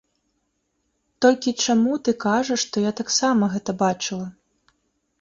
Толькі чаму ты кажаш, што я таксама гэта бачыла?